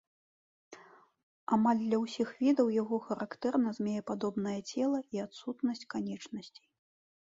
Амаль для ўсіх відаў яго характэрна змеепадобнае цела і адсутнасць канечнасцей.